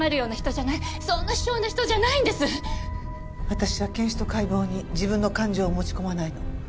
私は検視と解剖に自分の感情を持ち込まないの。